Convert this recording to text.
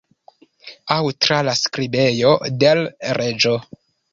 Aŭ tra la skribejo de l' Reĝo?